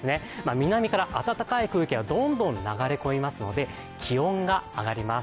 南から暖かい空気がどんどん流れ込みますので、気温が上がります。